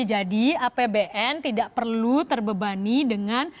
jadi apbn tidak perlu terbebani dengan